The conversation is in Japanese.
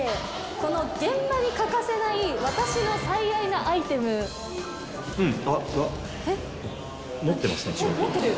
この現場に欠かせない私の最愛なアイテムうんあっ持ってる？